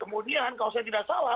kemudian kalau saya tidak salah